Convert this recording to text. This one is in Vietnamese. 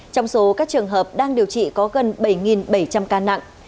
trong số các trường hợp đang điều trị có gần bảy bảy trăm linh ca nặng